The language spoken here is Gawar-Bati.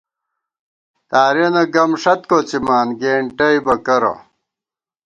تارېنہ گمݭت کوڅِمان گېنٹَئیبہ کرہ